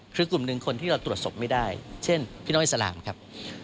คือกลุ่มหนึ่งคนที่เราตรวจศพไม่ได้เช่นพี่น้อยสลามครับ